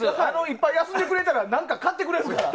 いっぱい休んでくれたら何か買ってくれるから。